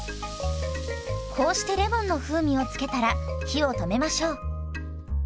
こうしてレモンの風味を付けたら火を止めましょう。